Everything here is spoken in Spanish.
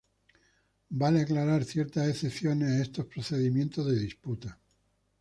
Vale aclarar ciertas excepciones a estos procedimientos de disputa.